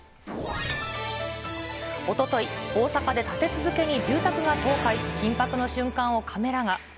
おととい、大阪で立て続けに住宅が倒壊、緊迫の瞬間をカメラが。